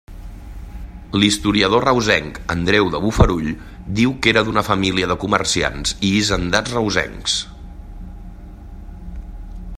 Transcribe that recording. L'historiador reusenc Andreu de Bofarull diu que era d'una família de comerciants i hisendats reusencs.